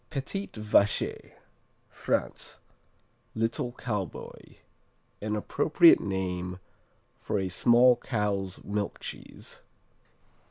Petit Vacher France "Little Cowboy," an appropriate name for a small cow's milk cheese.